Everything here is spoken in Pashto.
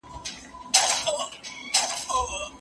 د بازار خلګ ساعت ګوري.